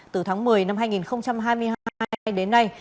từ tháng một mươi năm hai nghìn hai mươi hai đến nay